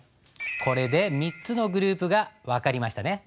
これで３つのグループが分かりましたね。